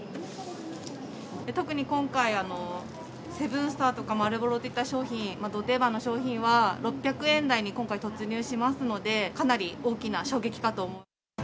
特に今回、セブンスターとか、マールボロといった商品、ど定番の商品は６００円台に今回、突入しますので、かなり大きな衝撃かと。